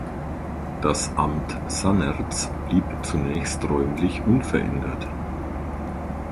Das Amt Sannerz blieb zunächst räumlich unverändert.